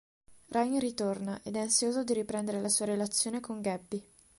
Ryan ritorna, ed è ansioso di riprendere la sua relazione con Gabby.